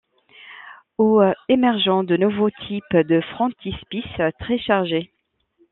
Au émergent de nouveaux types de frontispice, très chargés.